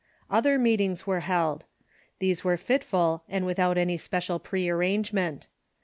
Other meetings were held. These were fitful, and without any special prearrangement.